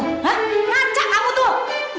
hah ngacap kamu tuh